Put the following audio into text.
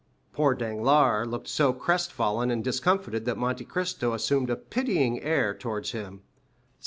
Poor Danglars looked so crest fallen and discomfited that Monte Cristo assumed a pitying air towards him.